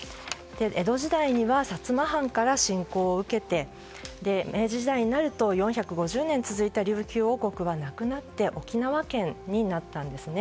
江戸時代には薩摩藩から侵攻を受けて明治時代になると４５０年続いた琉球王国はなくなって沖縄県になったんです。